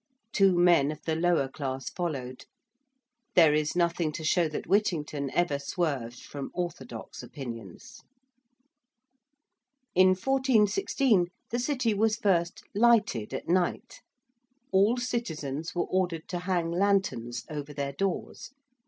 Two men of the lower class followed. There is nothing to show that Whittington ever swerved from orthodox opinions. In 1416, the City was first lighted at night: all citizens were ordered to hang lanterns over their doors.